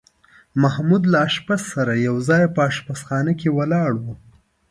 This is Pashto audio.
محمود له اشپز سره یو ځای په اشپزخانه کې ولاړ و.